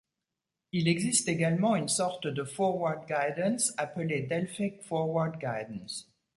Il existe également une sorte de forward guidance, appelé Delphic forward guidance.